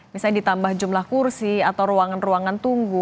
misalnya ditambah jumlah kursi atau ruangan ruangan tunggu